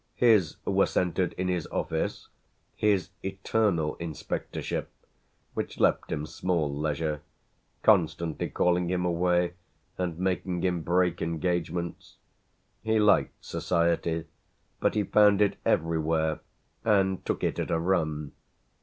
His were centred in his office, his eternal inspectorship, which left him small leisure, constantly calling him away and making him break engagements. He liked society, but he found it everywhere and took it at a run.